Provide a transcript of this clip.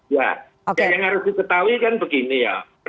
ya yang harus diketahui kan begini ya